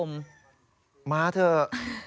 มาเถอะ